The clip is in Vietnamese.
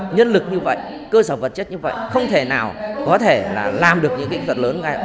nhân lực như vậy cơ sở vật chất như vậy không thể nào có thể làm được những kỹ thuật lớn